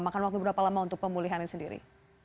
makan waktu berapa lama untuk pemulihan itu sendiri